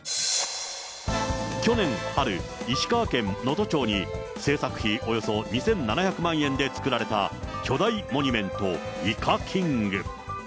去年春、石川県能登町に、製作費およそ２７００万円で作られた巨大モニュメント、イカキング。